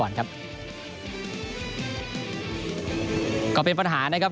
โดยการกีฬาแห่งประเทศไทย